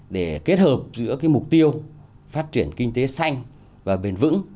để kết hợp giữa mục tiêu phát triển kinh tế xanh và bền vững